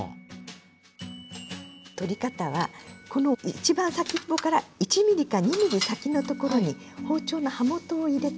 取り方はこの一番先っぽから１ミリか２ミリ先のところに包丁の刃元を入れます